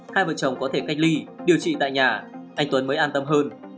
hai vợ chồng có thể cách ly điều trị tại nhà anh tuấn mới an tâm hơn